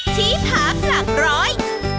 ที่พักหลักร้อย